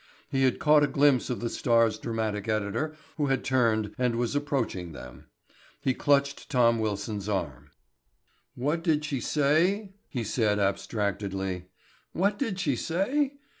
He had caught a glimpse of the Star's dramatic editor who had turned and was approaching them. He clutched Tom Wilson's arm. "What did she say," he said abstractedly. "What did she say?